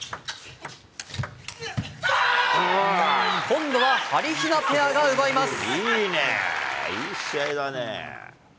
今度は、はりひなペアが奪います。